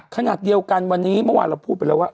ขณะเดียวกันวันนี้เมื่อวานเราพูดไปแล้วว่า